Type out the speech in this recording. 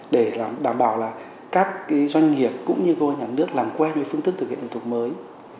để đảm bảo là các doanh nghiệp cũng như các nhà nước làm quen với phương tức thực hiện thủ tục mới